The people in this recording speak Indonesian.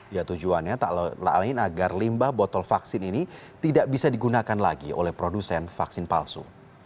ya tujuannya tak lalin agar limbah botol vaksin ini tidak bisa digunakan lagi oleh produsen vaksin palsu